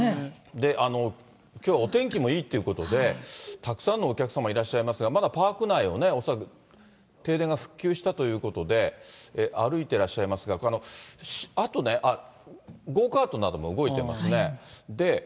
で、きょうお天気もいいっていうことで、たくさんのお客様いらっしゃいますが、まだパーク内を恐らく、停電が復旧したということで、歩いてらっしゃいますが、あとね、ゴーカートなども動いてますね。